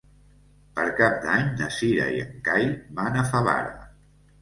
Per Cap d'Any na Cira i en Cai van a Favara.